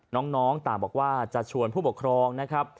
น้องต่างบอกว่าจะชวนผู้ปกครองนะครับ